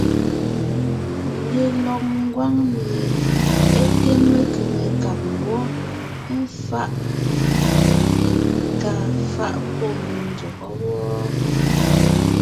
Lelɔg ngwáŋ mie é té mekʉ̀ŋekab wɔ́, éfaʼ kà faʼ pɔ́ me ndÿɔgɔ́ wɔ́ɔ.